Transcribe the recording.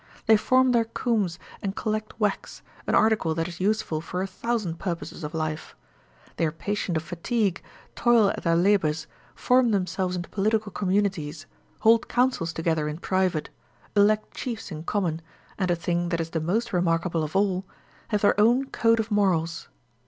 They form their combs and collect wax, an article that is useful for a thousand purposes of life ; they are patient of fatigue, toil at their labours, form themselves into political communities, hold councils together in private, elect chiefs in common, and, a thing that is the most remarkable of all, have their own code of morals.